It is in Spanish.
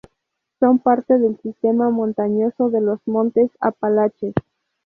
Son parte del sistema montañoso de los Montes Apalaches.